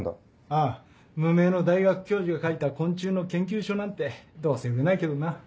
ああ無名の大学教授が書いた昆虫の研究書なんてどうせ売れないけどな。